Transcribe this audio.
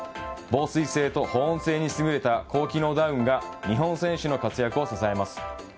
防水性と保温性に優れた高機能ダウンが日本選手の活躍を支えます。